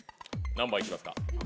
何番行きますか？